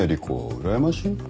うらやましいよ。